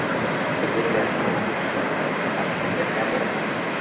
Әбейҙәр ҡаҙан аҫып, аш әҙерләгән.